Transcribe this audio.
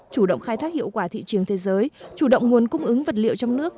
chủ động khai thác hiệu quả thị trường thế giới chủ động nguồn cung ứng vật liệu trong nước